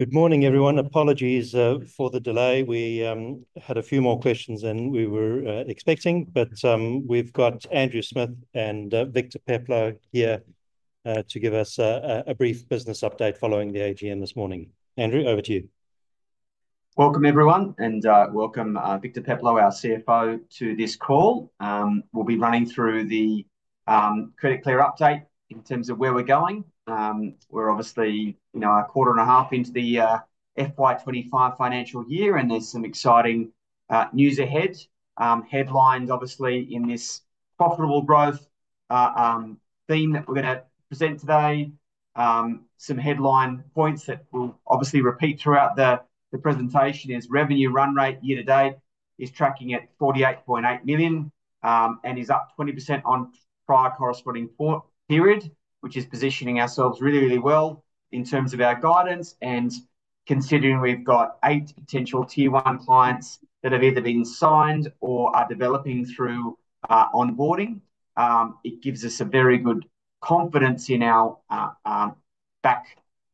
Good morning, everyone. Apologies for the delay. We had a few more questions than we were expecting, but we've got Andrew Smith and Victor Peplow here to give us a brief business update following the AGM this morning. Andrew, over to you. Welcome, everyone, and welcome Victor Peplow, our CFO, to this call. We'll be running through the Credit Clear update in terms of where we're going. We're obviously, you know, a quarter and a half into the FY25 financial year, and there's some exciting news ahead. Headlines, obviously, in this profitable growth theme that we're gonna present today. Some headline points that we'll obviously repeat throughout the presentation: revenue run rate year to date is tracking at 48.8 million, and is up 20% on prior corresponding period, which is positioning ourselves really, really well in terms of our guidance and considering we've got eight potential tier one clients that have either been signed or are developing through onboarding, it gives us a very good confidence in our back half,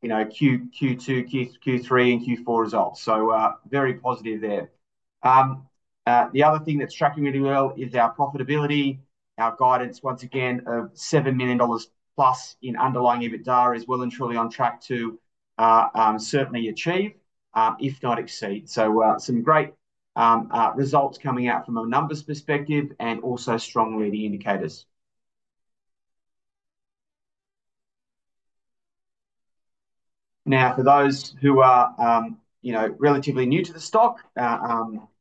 you know, Q2, Q3, and Q4 results, so very positive there. The other thing that's tracking really well is our profitability. Our guidance, once again, of 7 million dollars plus in underlying EBITDA is well and truly on track to certainly achieve, if not exceed. So, some great results coming out from a numbers perspective and also strong leading indicators. Now, for those who are, you know, relatively new to the stock,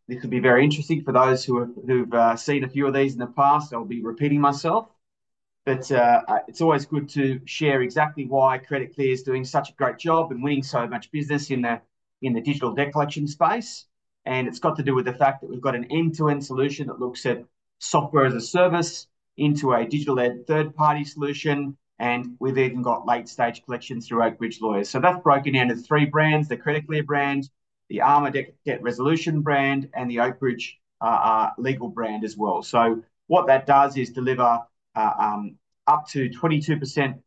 this would be very interesting for those who've seen a few of these in the past. I'll be repeating myself, but, it's always good to share exactly why Credit Clear is doing such a great job and winning so much business in the digital debt collection space, and it's got to do with the fact that we've got an end-to-end solution that looks at software as a service into a digital-led third-party solution, and we've even got late-stage collection through Oakbridge Lawyers. So that's broken into three brands: the Credit Clear brand, the ARMA brand, and the Oakbridge Legal brand as well. So what that does is deliver up to 22%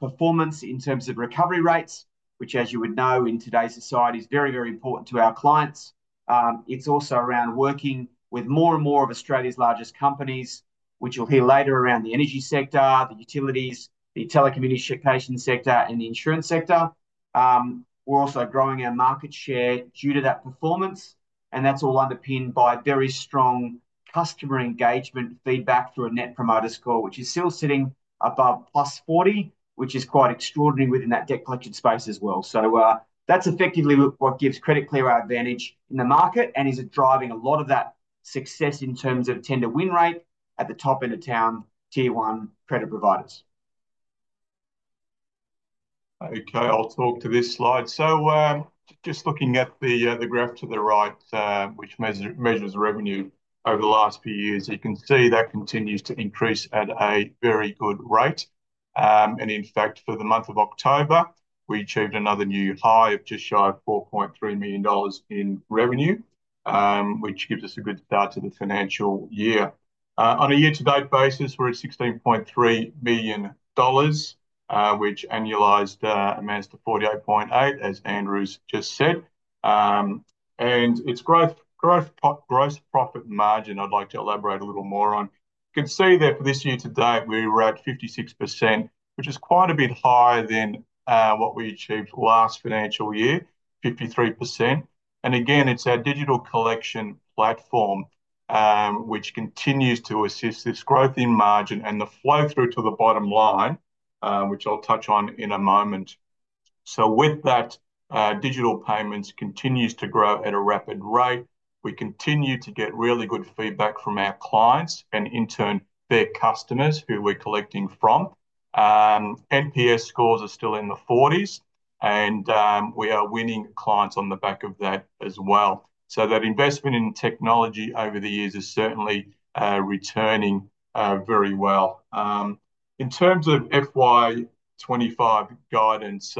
performance in terms of recovery rates, which, as you would know, in today's society is very, very important to our clients. It's also around working with more and more of Australia's largest companies, which you'll hear later around the energy sector, the utilities, the telecommunication sector, and the insurance sector. We're also growing our market share due to that performance, and that's all underpinned by very strong customer engagement feedback through a Net Promoter Score, which is still sitting above plus 40, which is quite extraordinary within that debt collection space as well. So, that's effectively what gives Credit Clear our advantage in the market and is driving a lot of that success in terms of tender win rate at the top end of town tier one credit providers. Okay, I'll talk to this slide. So, just looking at the graph to the right, which measures revenue over the last few years, you can see that continues to increase at a very good rate, and in fact, for the month of October, we achieved another new high of just shy of 4.3 million dollars in revenue, which gives us a good start to the financial year. On a year-to-date basis, we're at 16.3 million dollars, which annualized, amounts to 48.8 million, as Andrew's just said, and its gross profit margin, I'd like to elaborate a little more on. You can see there for this year to date, we were at 56%, which is quite a bit higher than what we achieved last financial year, 53%. Again, it's our digital collection platform, which continues to assist this growth in margin and the flow through to the bottom line, which I'll touch on in a moment. With that, digital payments continues to grow at a rapid rate. We continue to get really good feedback from our clients and in turn their customers who we're collecting from. NPS scores are still in the forties, and we are winning clients on the back of that as well. That investment in technology over the years is certainly returning very well. In terms of FY25 guidance,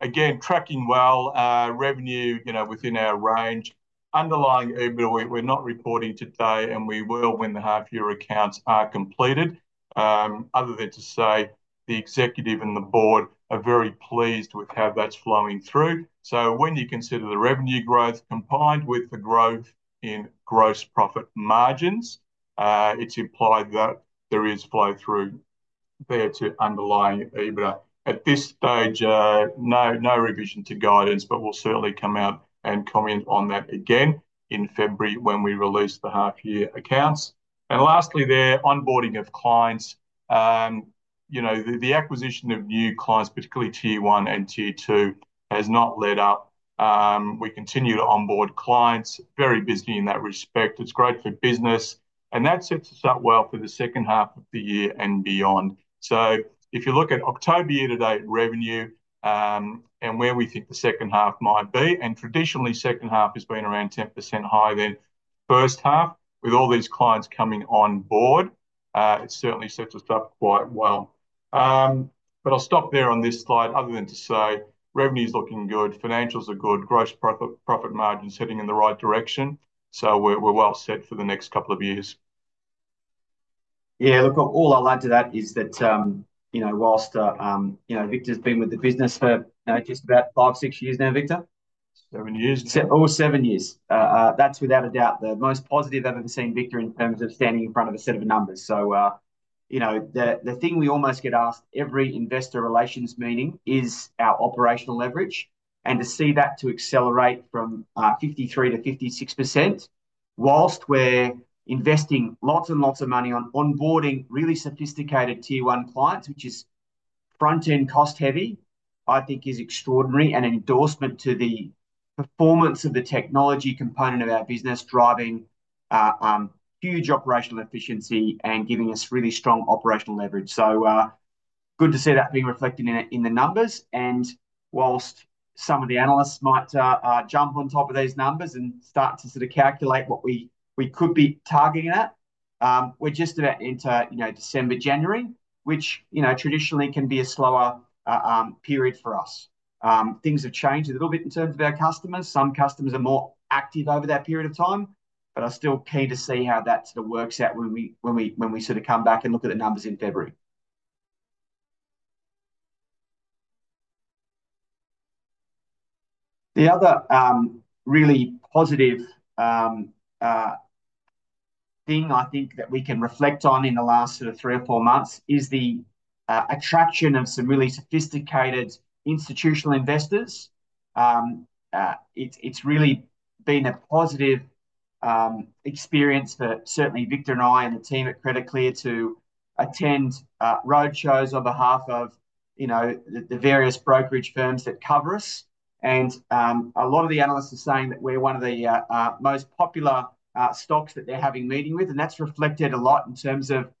again, tracking well, revenue, you know, within our range. Underlying EBITDA, we're not reporting today, and we will when the half-year accounts are completed. Other than to say the executive and the board are very pleased with how that's flowing through. So when you consider the revenue growth combined with the growth in gross profit margins, it's implied that there is flow through there to underlying EBITDA. At this stage, no, no revision to guidance, but we'll certainly come out and comment on that again in February when we release the half-year accounts. And lastly there, onboarding of clients, you know, the acquisition of new clients, particularly tier one and tier two, has not let up. We continue to onboard clients, very busy in that respect. It's great for business, and that sets us up well for the second half of the year and beyond. So if you look at October year-to-date revenue, and where we think the second half might be, and traditionally second half has been around 10% higher than first half with all these clients coming on board, it certainly sets us up quite well. But I'll stop there on this slide other than to say revenue's looking good, financials are good, gross profit, profit margin's heading in the right direction. So we're well set for the next couple of years. Yeah, look, all I'll add to that is that, you know, whilst, you know, Victor's been with the business for, just about five, six years now, Victor? Seven years. Seven, all seven years. That's without a doubt the most positive I've ever seen Victor in terms of standing in front of a set of numbers. So, you know, the thing we almost get asked every investor relations meeting is our operational leverage, and to see that to accelerate from 53% to 56% while we're investing lots and lots of money on onboarding really sophisticated tier one clients, which is front-end cost heavy, I think is extraordinary and endorsement to the performance of the technology component of our business, driving huge operational efficiency and giving us really strong operational leverage. So, good to see that being reflected in the numbers. While some of the analysts might jump on top of these numbers and start to sort of calculate what we could be targeting at, we're just about into, you know, December, January, which, you know, traditionally can be a slower period for us. Things have changed a little bit in terms of our customers. Some customers are more active over that period of time, but I'm still keen to see how that sort of works out when we sort of come back and look at the numbers in February. The other really positive thing I think that we can reflect on in the last sort of three or four months is the attraction of some really sophisticated institutional investors. It's really been a positive experience for certainly Victor and I and the team at Credit Clear to attend roadshows on behalf of you know the various brokerage firms that cover us. And a lot of the analysts are saying that we're one of the most popular stocks that they're having meetings with, and that's reflected a lot in terms of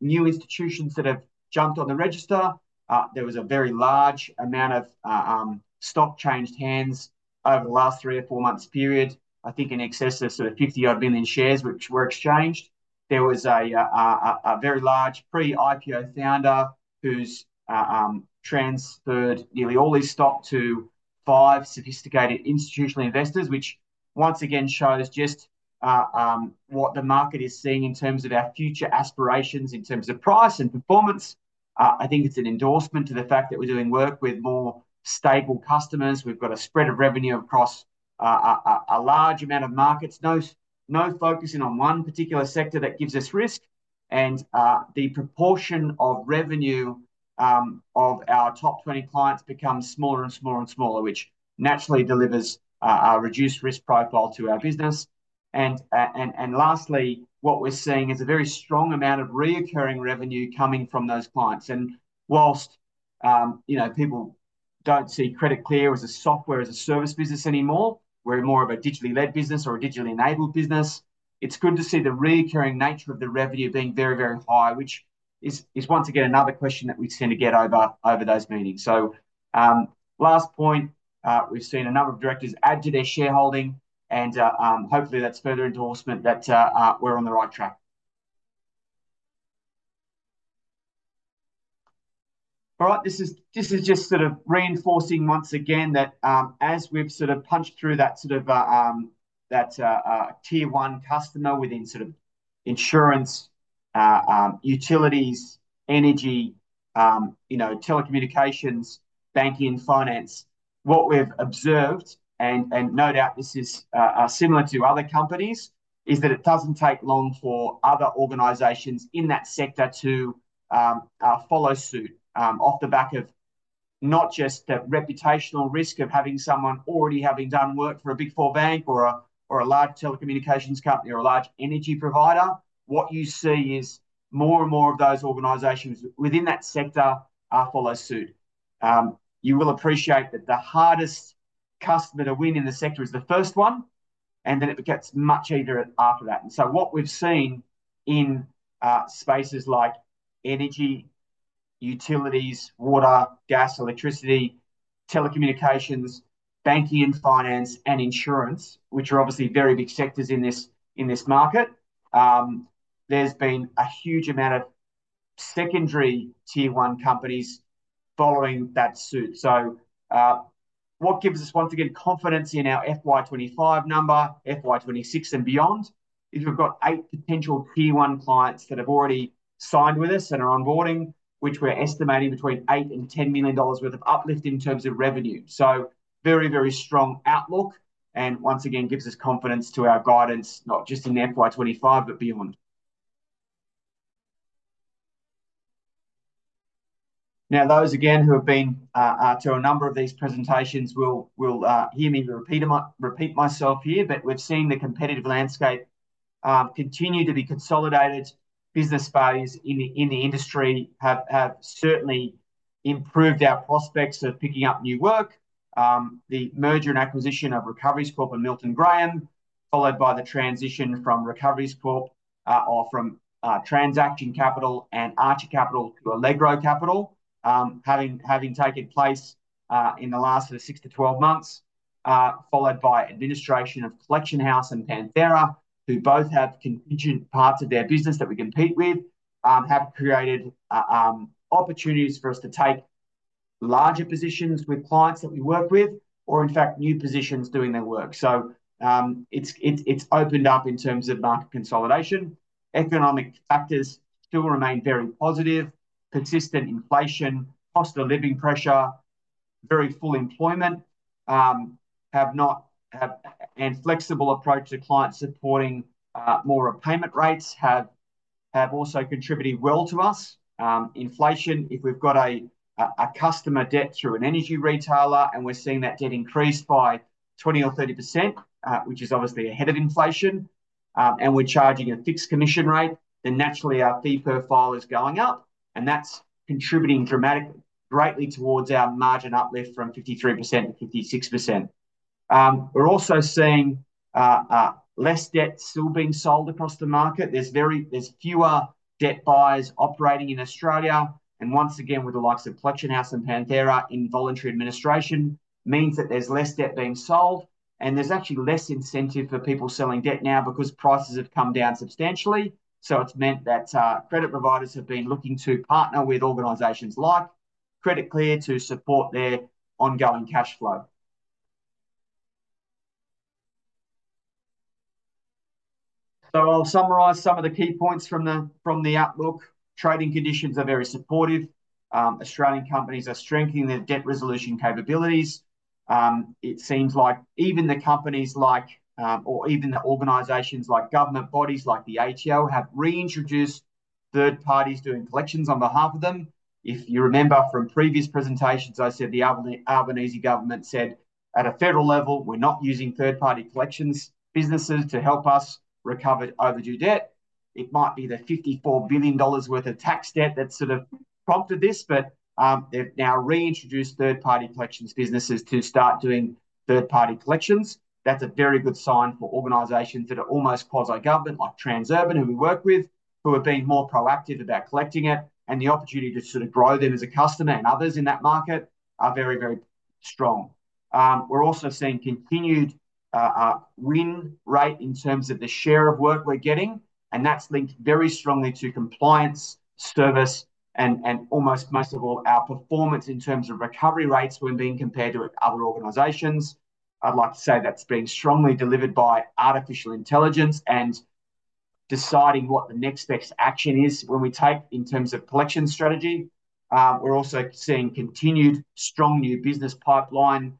new institutions that have jumped on the register. There was a very large amount of stock changed hands over the last three or four months period. I think in excess of sort of 50-odd million shares which were exchanged. There was a very large pre-IPO founder who transferred nearly all his stock to five sophisticated institutional investors, which once again shows just what the market is seeing in terms of our future aspirations in terms of price and performance. I think it's an endorsement to the fact that we're doing work with more stable customers. We've got a spread of revenue across a large amount of markets. No focusing on one particular sector that gives us risk. And the proportion of revenue of our top 20 clients becomes smaller and smaller and smaller, which naturally delivers a reduced risk profile to our business. And lastly, what we're seeing is a very strong amount of recurring revenue coming from those clients. And whilst, you know, people don't see Credit Clear as a software as a service business anymore, we're more of a digitally led business or a digitally enabled business, it's good to see the recurring nature of the revenue being very, very high, which is once again another question that we tend to get over those meetings. So, last point, we've seen a number of directors add to their shareholding and, hopefully that's further endorsement that, we're on the right track. All right, this is just sort of reinforcing once again that, as we've sort of punched through that sort of Tier 1 customer within sort of insurance, utilities, energy, you know, telecommunications, banking, finance, what we've observed, and, and no doubt this is, similar to other companies, is that it doesn't take long for other organizations in that sector to, follow suit, off the back of not just the reputational risk of having someone already having done work for a Big Four Bank or a, or a large telecommunications company or a large energy provider. What you see is more and more of those organizations within that sector, follow suit. You will appreciate that the hardest customer to win in the sector is the first one, and then it gets much easier after that. And so what we've seen in spaces like energy, utilities, water, gas, electricity, telecommunications, banking and finance, and insurance, which are obviously very big sectors in this, in this market, there's been a huge amount of secondary Tier 1 companies following that suit. So, what gives us once again confidence in our FY25 number, FY26 and beyond is we've got eight potential Tier 1 clients that have already signed with us and are onboarding, which we're estimating between 8 million and 10 million dollars worth of uplift in terms of revenue. So very, very strong outlook and once again gives us confidence to our guidance, not just in FY25, but beyond. Now, those again who have been to a number of these presentations will hear me repeat myself here, but we've seen the competitive landscape continue to be consolidated. Business values in the industry have certainly improved our prospects of picking up new work. The merger and acquisition of Recoveriescorp and Milton Graham, followed by the transition from Transaction Capital and Archer Capital to Allegro Funds, having taken place in the last sort of six to 12 months, followed by administration of Collection House and Panthera, who both have contingent parts of their business that we compete with, have created opportunities for us to take larger positions with clients that we work with, or in fact new positions doing their work. So, it's opened up in terms of market consolidation. Economic factors still remain very positive. Persistent inflation, cost of living pressure, very full employment, and flexible approach to client supporting. More repayment rates have also contributed well to us. Inflation, if we've got a customer debt through an energy retailer and we're seeing that debt increase by 20%-30%, which is obviously ahead of inflation, and we're charging a fixed commission rate, then naturally our fee profile is going up and that's contributing dramatically, greatly towards our margin uplift from 53% to 56%. We're also seeing less debt still being sold across the market. There's fewer debt buyers operating in Australia, and once again, with the likes of Collection House and Panthera, involuntary administration means that there's less debt being sold and there's actually less incentive for people selling debt now because prices have come down substantially. So it's meant that credit providers have been looking to partner with organizations like Credit Clear to support their ongoing cash flow. So I'll summarize some of the key points from the outlook. Trading conditions are very supportive. Australian companies are strengthening their debt resolution capabilities. It seems like even the organizations like government bodies like the ATO have reintroduced third parties doing collections on behalf of them. If you remember from previous presentations, I said the Albanese government said at a federal level, we're not using third party collections businesses to help us recover overdue debt. It might be the 54 billion dollars worth of tax debt that sort of prompted this, but they've now reintroduced third party collections businesses to start doing third party collections. That's a very good sign for organizations that are almost quasi government like Transurban who we work with, who are being more proactive about collecting it, and the opportunity to sort of grow them as a customer and others in that market are very, very strong. We're also seeing continued win rate in terms of the share of work we're getting, and that's linked very strongly to compliance service and almost most of all our performance in terms of recovery rates when being compared to other organizations. I'd like to say that's being strongly delivered by artificial intelligence and deciding what the next best action is when we take in terms of collection strategy. We're also seeing continued strong new business pipeline,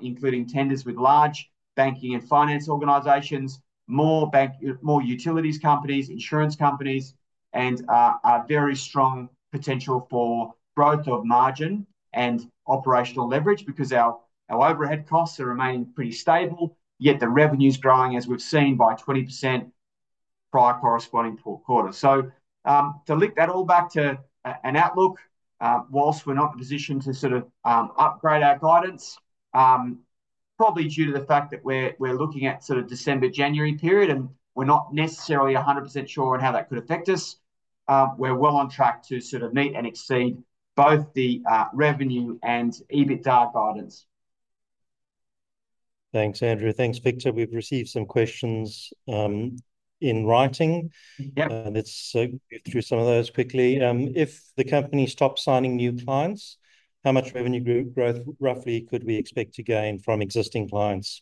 including tenders with large banking and finance organizations, more bank, more utilities companies, insurance companies, and a very strong potential for growth of margin and operational leverage because our overhead costs are remaining pretty stable, yet the revenue's growing as we've seen by 20% prior corresponding quarter. So, to link that all back to an outlook, whilst we're not in a position to sort of upgrade our guidance, probably due to the fact that we're looking at sort of December, January period and we're not necessarily a hundred percent sure on how that could affect us. We're well on track to sort of meet and exceed both the revenue and EBITDA guidance. Thanks, Andrew. Thanks, Victor. We've received some questions, in writing. Yep. And let's go through some of those quickly. If the company stops signing new clients, how much revenue growth roughly could we expect to gain from existing clients?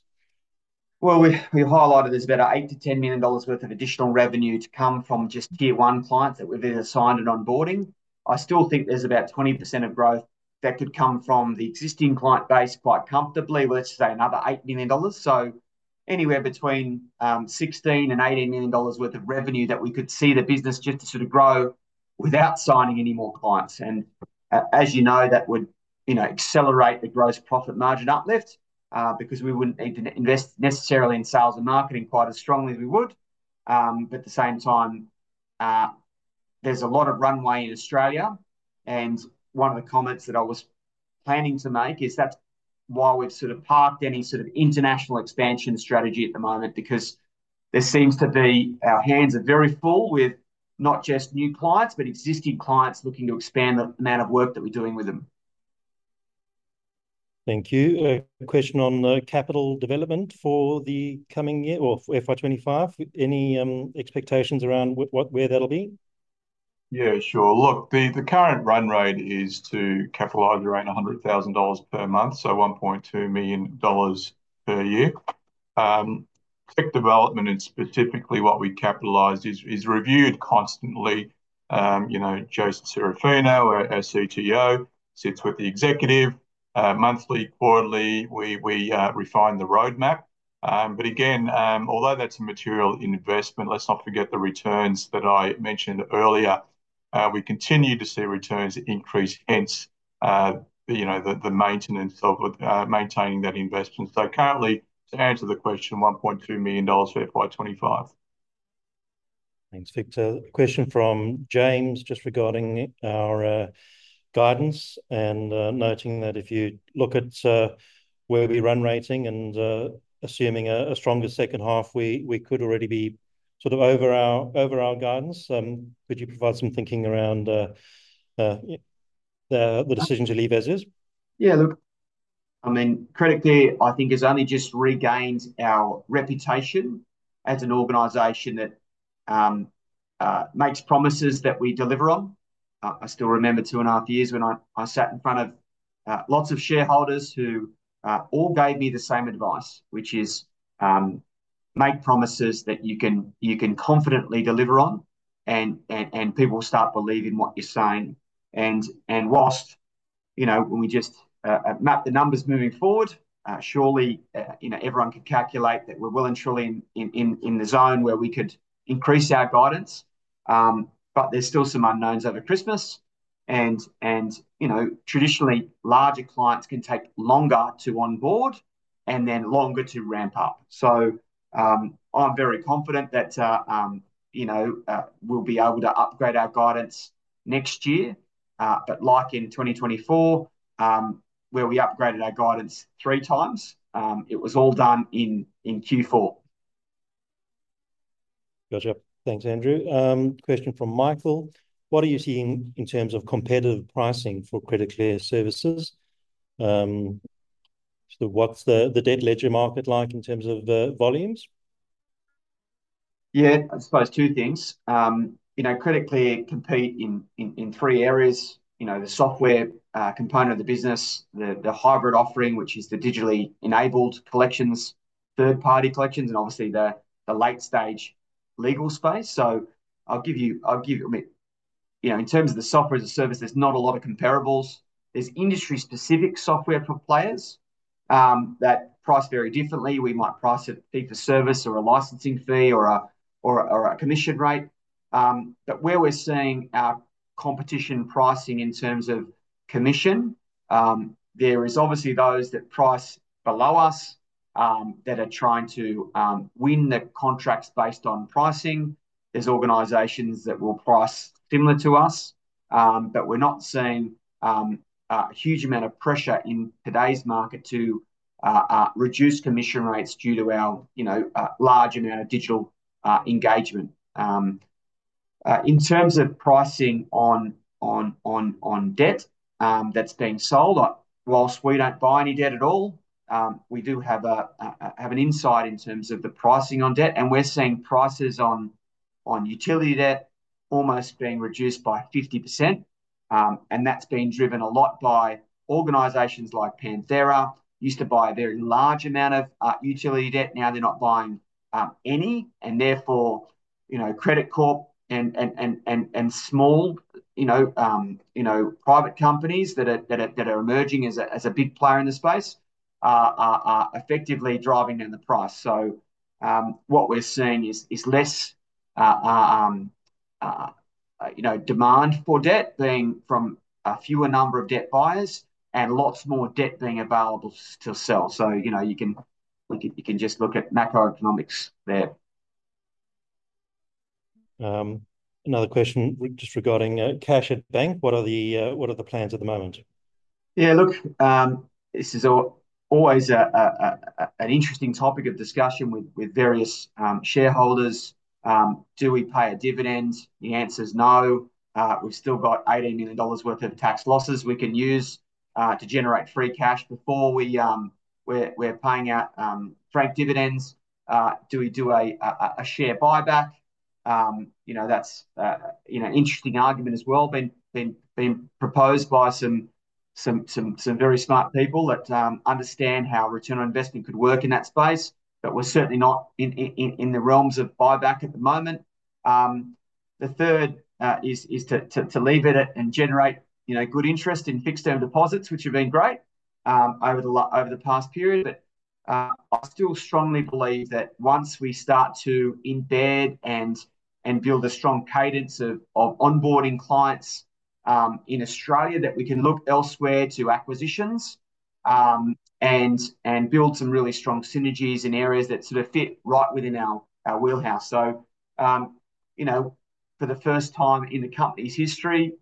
We highlighted there's about 8 million to 10 million dollars worth of additional revenue to come from just tier one clients that we've either signed and onboarding. I still think there's about 20% of growth that could come from the existing client base quite comfortably, let's say another 8 million dollars. So anywhere between 16 million and 18 million dollars worth of revenue that we could see the business just to sort of grow without signing any more clients. And as you know, that would, you know, accelerate the gross profit margin uplift, because we wouldn't need to invest necessarily in sales and marketing quite as strongly as we would, but at the same time, there's a lot of runway in Australia. One of the comments that I was planning to make is that's why we've sort of parked any sort of international expansion strategy at the moment, because there seems to be our hands are very full with not just new clients, but existing clients looking to expand the amount of work that we're doing with them. Thank you. A question on the capital development for the coming year or FY25. Any expectations around what where that'll be? Yeah, sure. Look, the current run rate is to capitalize around 100,000 dollars per month, so 1.2 million dollars per year. Tech development and specifically what we capitalized is reviewed constantly. You know, Jason Serafino, our CTO, sits with the executive monthly, quarterly. We refine the roadmap. Again, although that's a material investment, let's not forget the returns that I mentioned earlier. We continue to see returns increase, hence, you know, the maintenance of that investment. So currently, to answer the question, 1.2 million dollars for FY25. Thanks, Victor. Question from James just regarding our guidance and noting that if you look at where we run rating and assuming a stronger second half, we could already be sort of over our guidance. Could you provide some thinking around the decision to leave as is? Yeah, look, I mean, Credit Clear, I think has only just regained our reputation as an organization that makes promises that we deliver on. I still remember two and a half years when I sat in front of lots of shareholders who all gave me the same advice, which is make promises that you can confidently deliver on and people start believing what you're saying. And whilst you know when we just map the numbers moving forward, surely you know everyone can calculate that we're well and truly in the zone where we could increase our guidance. But there's still some unknowns over Christmas and you know traditionally larger clients can take longer to onboard and then longer to ramp up. So, I'm very confident that you know we'll be able to upgrade our guidance next year. But like in 2024, where we upgraded our guidance three times, it was all done in Q4. Gotcha. Thanks, Andrew. Question from Michael. What are you seeing in terms of competitive pricing for Credit Clear services? So what's the debt ledger market like in terms of volumes? Yeah, I suppose two things. You know, Credit Clear competes in three areas. You know, the software component of the business, the hybrid offering, which is the digitally enabled collections, third party collections, and obviously the late stage legal space. So I'll give you, I mean, you know, in terms of the software as a service, there's not a lot of comparables. There's industry specific software for players that price very differently. We might price a fee for service or a licensing fee or a commission rate. But where we're seeing our competition pricing in terms of commission, there is obviously those that price below us that are trying to win the contracts based on pricing. Are organizations that will price similar to us, but we're not seeing a huge amount of pressure in today's market to reduce commission rates due to our, you know, large amount of digital engagement. In terms of pricing on debt that's being sold, whilst we don't buy any debt at all, we do have an insight in terms of the pricing on debt, and we're seeing prices on utility debt almost being reduced by 50%, and that's been driven a lot by organizations like Panthera used to buy a very large amount of utility debt. Now they're not buying any, and therefore, you know, Credit Corp and small, you know, private companies that are emerging as a big player in the space, effectively driving down the price. What we're seeing is less, you know, demand for debt being from a fewer number of debt buyers and lots more debt being available to sell. You know, you can just look at macroeconomics there. Another question just regarding Cash at Bank. What are the plans at the moment? Yeah, look, this is always an interesting topic of discussion with various shareholders. Do we pay a dividend? The answer's no. We've still got 18 million dollars worth of tax losses we can use to generate free cash before we're paying out frank dividends. Do we do a share buyback? You know, that's you know interesting argument as well been proposed by some very smart people that understand how return on investment could work in that space, but we're certainly not in the realms of buyback at the moment. The third is to leave it at and generate you know good interest in fixed term deposits, which have been great over the past period. But, I still strongly believe that once we start to embed and build a strong cadence of onboarding clients in Australia, that we can look elsewhere to acquisitions and build some really strong synergies in areas that sort of fit right within our wheelhouse. So, you know, for the first time in the company's history,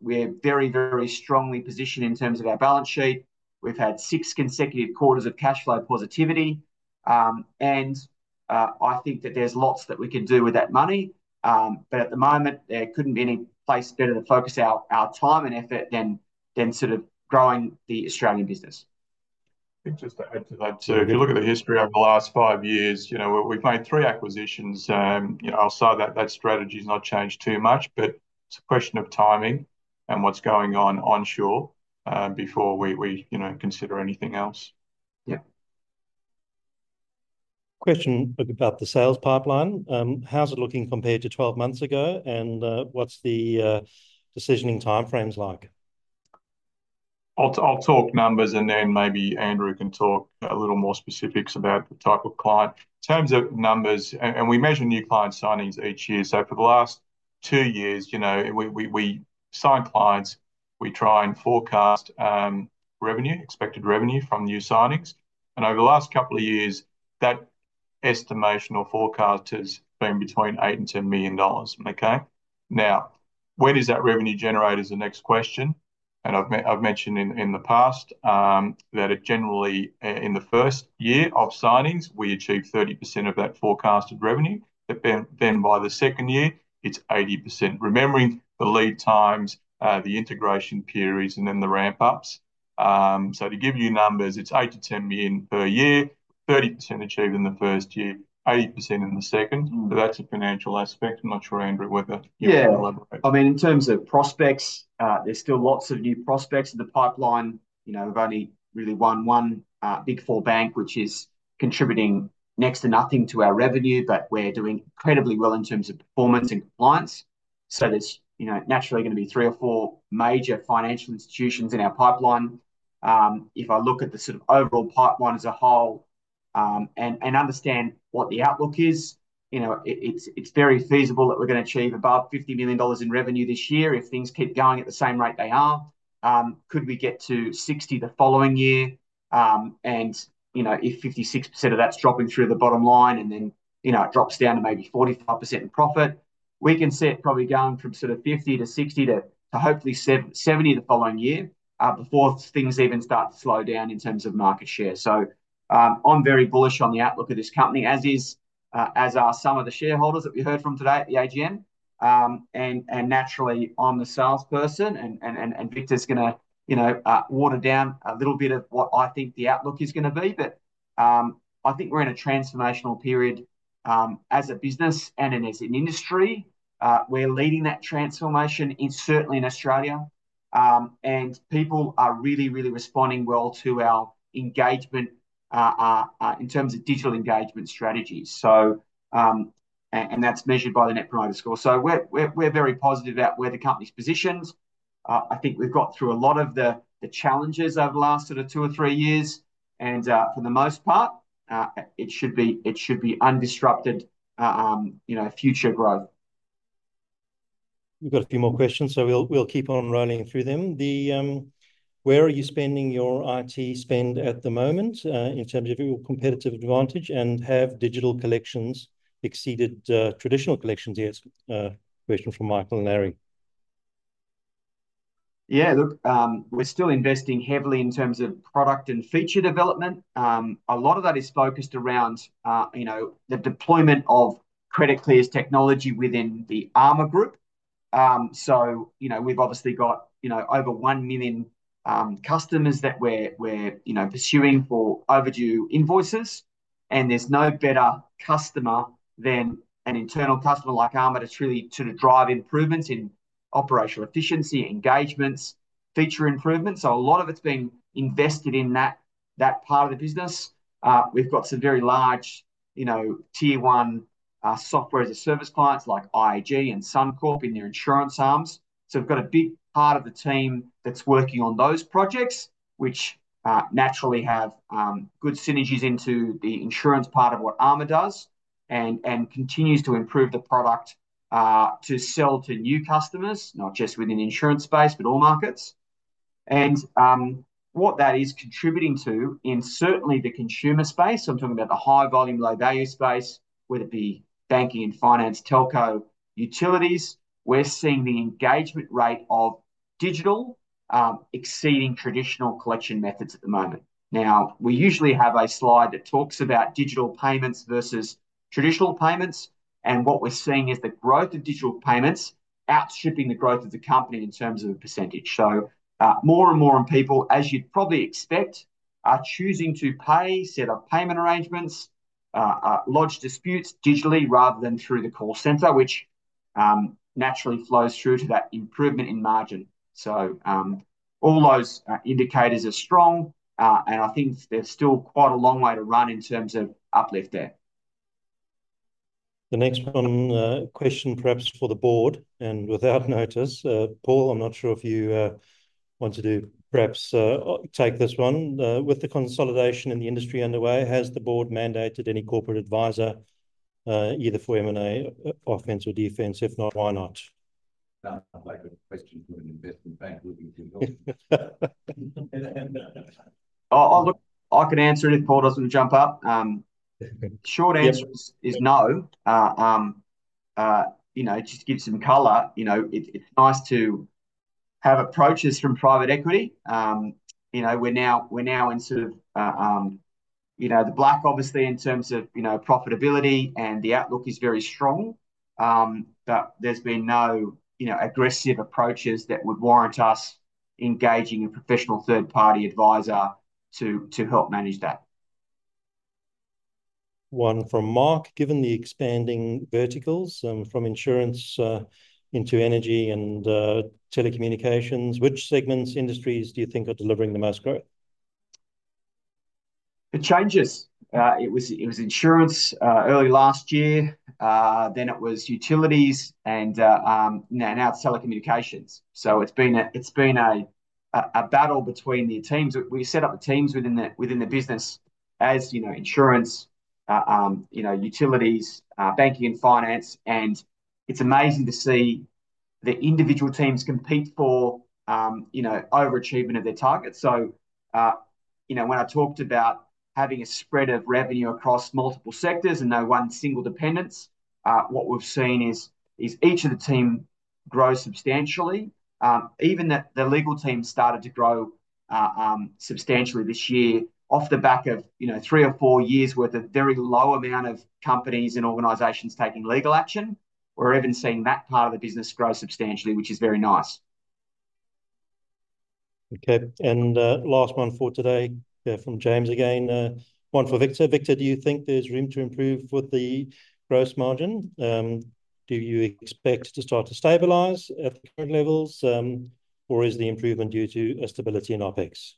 we are very, very strongly positioned in terms of our balance sheet. We've had six consecutive quarters of cash flow positivity, and I think that there's lots that we can do with that money. But at the moment, there couldn't be any place better to focus our time and effort than sort of growing the Australian business. Just to add to that, too, if you look at the history over the last five years, you know, we've made three acquisitions. You know, I'll say that that strategy's not changed too much, but it's a question of timing and what's going on onshore, before we, you know, consider anything else. Yep. Question about the sales pipeline. How's it looking compared to 12 months ago? And, what's the decisioning timeframes like? I'll talk numbers and then maybe Andrew can talk a little more specifics about the type of client. In terms of numbers, and we measure new client signings each year. So for the last two years, you know, we sign clients, we try and forecast revenue, expected revenue from new signings. And over the last couple of years, that estimation or forecast has been between 8 million and 10 million dollars. Okay. Now, when is that revenue generated is the next question. And I've mentioned in the past, that it generally, in the first year of signings, we achieve 30% of that forecasted revenue. But then by the second year, it's 80%. Remembering the lead times, the integration periods, and then the ramp ups. So to give you numbers, it's 8-10 million per year, 30% achieved in the first year, 80% in the second. But that's a financial aspect. I'm not sure, Andrew, whether you can elaborate. Yeah. I mean, in terms of prospects, there's still lots of new prospects in the pipeline. You know, we've only really won one Big Four bank, which is contributing next to nothing to our revenue, but we are doing incredibly well in terms of performance and compliance. So there's, you know, naturally gonna be three or four major financial institutions in our pipeline. If I look at the sort of overall pipeline as a whole, and understand what the outlook is, you know, it's very feasible that we're gonna achieve above 50 million dollars in revenue this year if things keep going at the same rate they are. Could we get to 60 the following year? You know, if 56% of that's dropping through the bottom line and then, you know, it drops down to maybe 45% in profit, we can sit probably going from sort of 50 to 60 to, to hopefully 70 the following year, before things even start to slow down in terms of market share. So, I'm very bullish on the outlook of this company, as is, as are some of the shareholders that we heard from today at the AGM. Naturally, I'm the salesperson and Victor's gonna, you know, water down a little bit of what I think the outlook is gonna be. But, I think we're in a transformational period, as a business and as an industry. We are leading that transformation certainly in Australia. People are really, really responding well to our engagement, in terms of digital engagement strategies. That's measured by the Net Promoter Score. We're very positive about where the company's positioned. I think we've got through a lot of the challenges over the last sort of two or three years. For the most part, it should be undisrupted, you know, future growth. We've got a few more questions, so we'll keep on running through them. Where are you spending your IT spend at the moment, in terms of your competitive advantage, and have digital collections exceeded traditional collections? Yes. Question from Michael and Larry. Yeah, look, we're still investing heavily in terms of product and feature development. A lot of that is focused around, you know, the deployment of Credit Clear's technology within the ARMA Group, so you know, we've obviously got, you know, over one million customers that we're pursuing for overdue invoices, and there's no better customer than an internal customer like ARMA to truly sort of drive improvements in operational efficiency, engagements, feature improvements, so a lot of it's been invested in that part of the business, we've got some very large, you know, Tier 1 software as a service clients like IAG and Suncorp in their insurance arms. So we've got a big part of the team that's working on those projects, which naturally have good synergies into the insurance part of what ARMA does and continues to improve the product to sell to new customers, not just within the insurance space, but all markets. And what that is contributing to is certainly the consumer space. So I'm talking about the high volume, low value space, whether it be banking and finance, telco, utilities. We're seeing the engagement rate of digital exceeding traditional collection methods at the moment. Now we usually have a slide that talks about digital payments versus traditional payments. And what we're seeing is the growth of digital payments outstripping the growth of the company in terms of a percentage. So, more and more people, as you'd probably expect, are choosing to pay, set up payment arrangements, lodge disputes digitally rather than through the call center, which naturally flows through to that improvement in margin. So, all those indicators are strong. And I think there's still quite a long way to run in terms of uplift there. The next one, question perhaps for the board and without notice. Paul, I'm not sure if you want to do perhaps take this one, with the consolidation in the industry underway. Has the board mandated any corporate advisor, either for M&A, offense or defense? If not, why not? That's a good question for an investment bank. I'll look, I can answer it if Paul doesn't jump up. Short answer is no. You know, just give some color. You know, it's nice to have approaches from private equity. You know, we're now in sort of, you know, the black obviously in terms of, you know, profitability and the outlook is very strong. But there's been no, you know, aggressive approaches that would warrant us engaging a professional third party advisor to help manage that. One from Mark. Given the expanding verticals, from insurance, into energy and telecommunications, which segments, industries do you think are delivering the most growth? It changes. It was insurance early last year. Then it was utilities and now telecommunications. So it's been a battle between the teams. We set up the teams within the business as, you know, insurance, you know, utilities, banking and finance. And it's amazing to see the individual teams compete for, you know, overachievement of their targets. So, you know, when I talked about having a spread of revenue across multiple sectors and no one single dependence, what we've seen is each of the team grow substantially. Even the legal team started to grow substantially this year off the back of, you know, three or four years with a very low amount of companies and organizations taking legal action. We're even seeing that part of the business grow substantially, which is very nice. Okay. And, last one for today, from James again, one for Victor. Victor, do you think there's room to improve with the gross margin? Do you expect to start to stabilize at the current levels? Or is the improvement due to a stability in OpEx?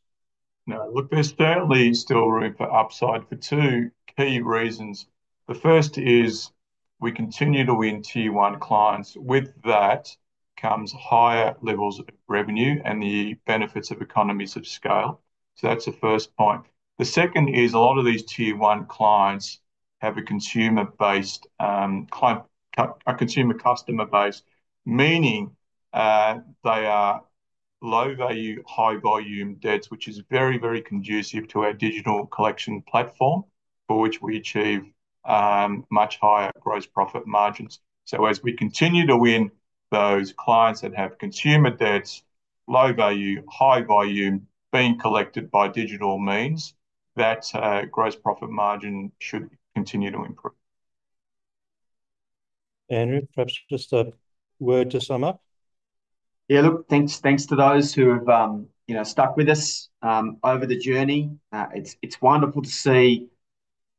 No, look, there's certainly still room for upside for two key reasons. The first is we continue to win Tier 1 clients. With that comes higher levels of revenue and the benefits of economies of scale. So that's the first point. The second is a lot of these Tier 1 clients have a consumer based, client, a consumer customer base, meaning, they are low value, high volume debts, which is very, very conducive to our digital collection platform for which we achieve, much higher gross profit margins. So as we continue to win those clients that have consumer debts, low value, high volume being collected by digital means, that, gross profit margin should continue to improve. Andrew, perhaps just a word to sum up. Yeah, look, thanks to those who have, you know, stuck with us over the journey. It's wonderful to see,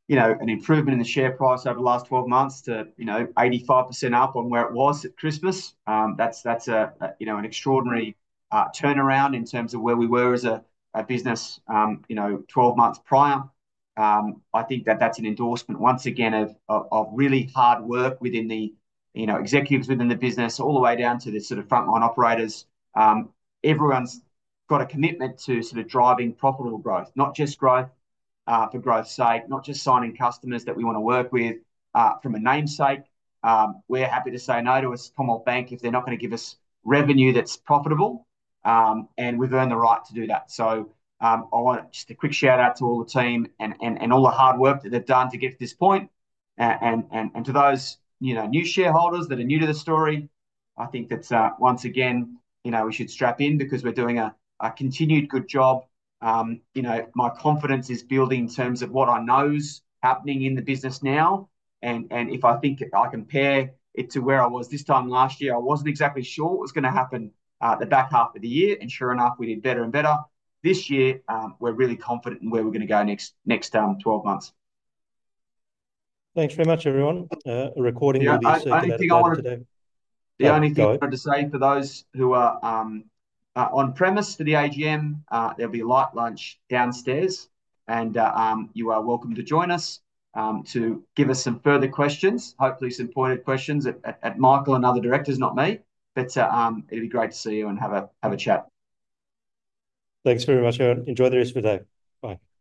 you know, an improvement in the share price over the last 12 months to, you know, 85% up on where it was at Christmas. That's a, you know, an extraordinary turnaround in terms of where we were as a business, you know, 12 months prior. I think that's an endorsement once again of really hard work within the, you know, executives within the business all the way down to the sort of frontline operators. Everyone's got a commitment to sort of driving profitable growth, not just growth for growth's sake, not just signing customers that we wanna work with from a name's sake. We are happy to say no to a Commonwealth Bank if they're not gonna give us revenue that's profitable. And we've earned the right to do that. So, I want just a quick shout out to all the team and all the hard work that they've done to get to this point. And to those, you know, new shareholders that are new to the story, I think that's, once again, you know, we should strap in because we're doing a continued good job. You know, my confidence is building in terms of what I know's happening in the business now. And if I think I compare it to where I was this time last year, I wasn't exactly sure what was gonna happen, the back half of the year. And sure enough, we did better and better this year. We're really confident in where we're gonna go next 12 months. Thanks very much, everyone. A recording will be circulated today. The only thing I wanted to say for those who are on premises to the AGM, there'll be a light lunch downstairs and you are welcome to join us to give us some further questions, hopefully some pointed questions at Michael and other directors, not me. But it'd be great to see you and have a chat. Thanks very much, Erin. Enjoy the rest of your day. Bye.